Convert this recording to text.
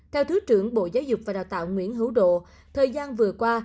theo thứ trưởng bộ giáo dục và đào tạo nguyễn hữu độ thời gian vừa qua